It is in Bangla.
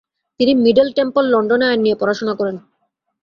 তিনি মিডল টেম্পল, লন্ডনে আইন নিয়ে পড়াশোনা করেন।